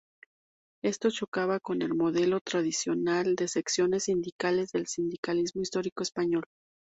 Esto chocaba con el modelo tradicional de secciones sindicales del sindicalismo histórico español.